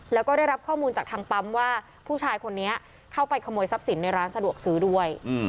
แล้วก็ได้รับข้อมูลจากทางปั๊มว่าผู้ชายคนนี้เข้าไปขโมยทรัพย์สินในร้านสะดวกซื้อด้วย